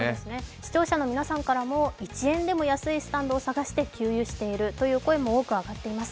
視聴者の皆さんからも、１円でも安いスタンドを探して給油しているという声も上がっています。